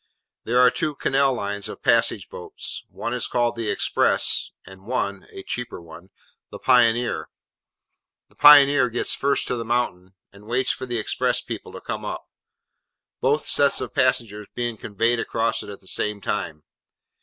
There are two canal lines of passage boats; one is called The Express, and one (a cheaper one) The Pioneer. The Pioneer gets first to the mountain, and waits for the Express people to come up; both sets of passengers being conveyed across it at the same time.